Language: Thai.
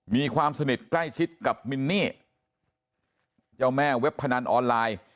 มีความสนิทใกล้ชิดกับมินนี่เจ้าแม่เว็บพนันออนไลน์